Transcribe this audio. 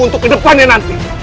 untuk ke depannya nanti